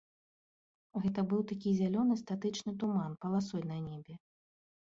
Гэта быў такі зялёны статычны туман паласой на небе.